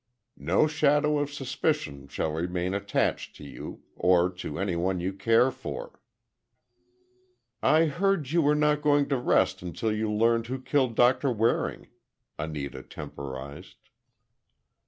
No shadow of suspicion shall remain attached to you—or, to any one you care for." "I heard you were not going to rest until you learned who killed Doctor Waring," Anita temporized.